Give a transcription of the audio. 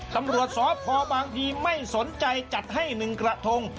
ตำรวจสพบางพีไม่สนใจจัดให้๑กระทง